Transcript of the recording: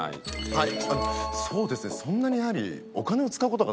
はい。